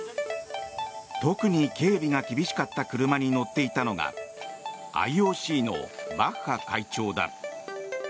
特に警備が厳しかった車に乗っていたのがＩＯＣのバッハ会長だ。